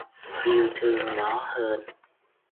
Yêu thương nó hơn